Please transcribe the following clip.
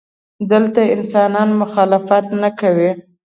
دلته انسانان مخالفت نه کوي.